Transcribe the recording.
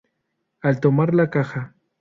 Al tomar la caja.